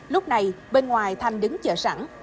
lúc này bên ngoài thanh đứng chờ sẵn